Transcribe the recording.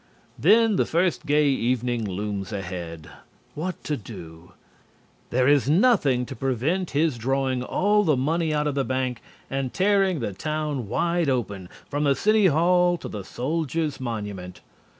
Then the first gay evening looms up ahead. What to do? There is nothing to prevent his drawing all the money out of the bank and tearing the town wide open from the City Hall to the Soldier's Monument.